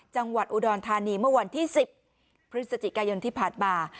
จังหวัดอุดรธานีเมื่อวันที่๑๐พฤศจิกายนที่ผ่านมา